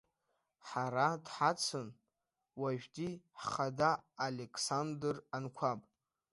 Ҳара дҳацын уажәтәи ҳхада Алеқсандр Анқәаб.